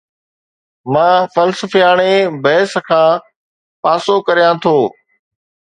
مان فلسفياڻي بحث کان پاسو ڪريان ٿو